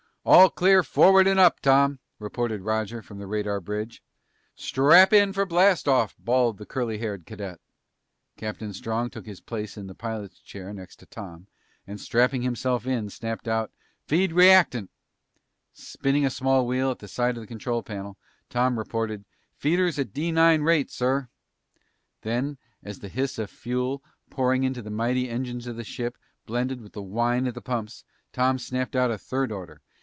"All clear forward and up, Tom," reported Roger from the radar bridge. "Strap in for blast off!" bawled the curly haired cadet. Captain Strong took his place in the pilot's chair next to Tom and strapping himself in snapped out, "Feed reactant!" Spinning a small wheel at the side of the control panel, Tom reported, "Feeders at D 9 rate, sir!" Then, as the hiss of fuel pouring into the mighty engines of the ship blended with the whine of the pumps, Tom snapped out a third order.